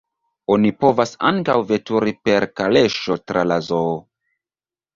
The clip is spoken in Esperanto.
Oni povas ankaŭ veturi per kaleŝo tra la zoo.